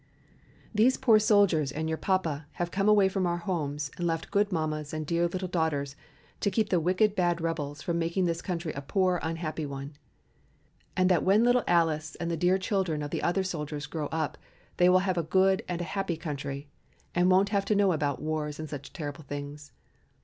"These poor soldiers and your papa have come away from our homes and left good mammas and dear little daughters to keep the wicked bad rebels from making this country a poor, unhappy one, and that when little Alice and the dear children of the other soldiers grow up they will have a good and a happy country, and won't have to know about wars and such terrible things.